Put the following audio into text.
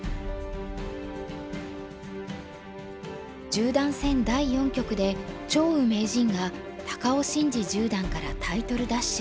十段戦第四局で張栩名人が高尾紳路十段からタイトル奪取。